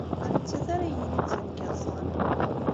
D nettat ara yeglilzen deg yiẓẓan.